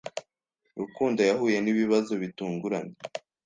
Rukundo yahuye nibibazo bitunguranye.